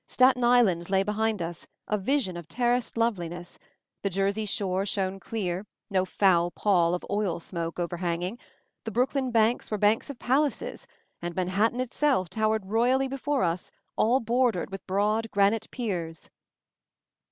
Staten Island lay behind us, a vision of terraced loveliness; the Jersey shore shone clear, no foul pall of oil smoke overhanging; the Brooklyn banks were banks of palaces, and Manhattan itself towered royally before us, all bordered with broad granite piers.